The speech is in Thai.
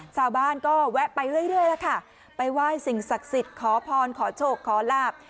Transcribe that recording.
ชาวบ้านก็แวะไปเรื่อยแล้วค่ะไปไหว้สิ่งศักดิ์สิทธิ์ขอพรขอโชคขอลาบ